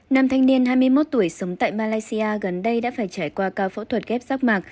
năm thanh niên hai mươi một tuổi sống tại malaysia gần đây đã phải trải qua cao phẫu thuật ghép sắc mạc